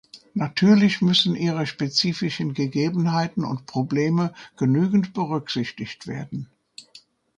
Natürlich müssen ihre spezifischen Gegebenheiten und Probleme genügend berücksichtigt werden.